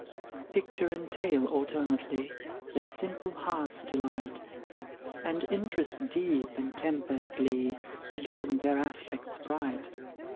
Picture and tale alternately Their simple hearts delight, And interest deep, and tempered glee, Illume their aspects bright.